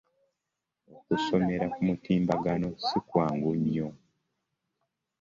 Okusomera ku mutimbagano si kwangu nnyo.